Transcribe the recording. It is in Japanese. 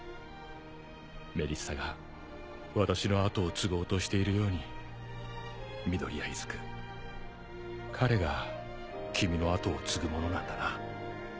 メリッサが私の後を継ごうとしているように緑谷出久彼が君の後を継ぐ者なんだな。